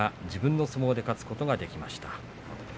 自分の相撲で勝つことができました。